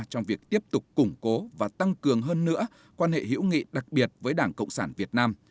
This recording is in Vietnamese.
trong việc tiếp tục củng cố và tăng cường hơn nữa quan hệ hữu nghị đặc biệt với đảng cộng sản việt nam